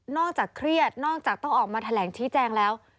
เครียดนอกจากต้องออกมาแถลงชี้แจงแล้ว